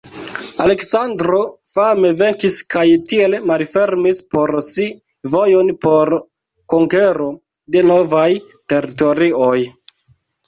Aleksandro fame venkis kaj tiel malfermis por si vojon por konkero de novaj teritorioj.